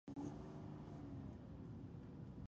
زده کړه ښځه مالي پریکړې په خپلواکه توګه کوي.